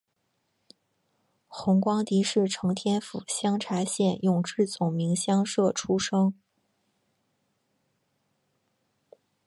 洪光迪是承天府香茶县永治总明乡社出生。